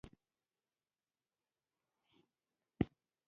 د افغانستان اتن ډیر ښکلی دی